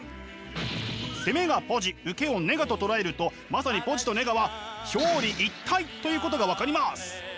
攻めがポジ受けをネガと捉えるとまさにポジとネガは表裏一体ということが分かります！